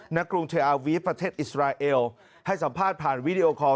กรุงเทอาวีฟประเทศอิสราเอลให้สัมภาษณ์ผ่านวีดีโอคอล